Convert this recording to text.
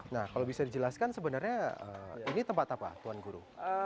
nah kalau bisa dijelaskan sebenarnya ini tempat apa tuan guru